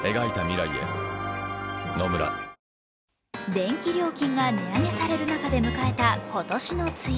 電気料金が値上げされる中で迎えた今年の梅雨。